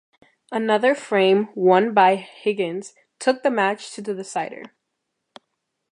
Another frame won by Higgins took the match to the decider.